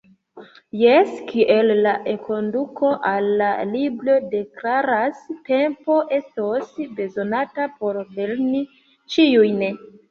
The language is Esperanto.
Jes, kiel la enkonduko al la libro deklaras: “Tempo estos bezonata por lerni ĉiujn”.